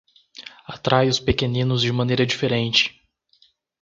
Atrai os pequeninos de maneira diferente.